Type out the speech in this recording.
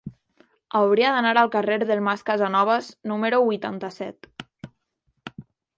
Hauria d'anar al carrer del Mas Casanovas número vuitanta-set.